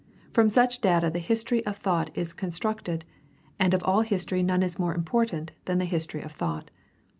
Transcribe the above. From such data the history of thought is constructed, and of all history none is more impor tant than the history of thought.